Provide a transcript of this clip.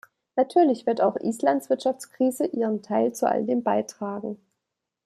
Natürlich wird auch Islands Wirtschaftskrise ihren Teil zu all dem beitragen.